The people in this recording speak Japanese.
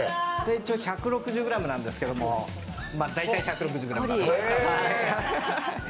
一応１６０ｇなんですけど、大体１６０ｇだと思います。